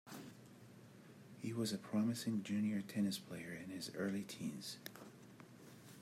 He was a promising junior tennis player in his early teens.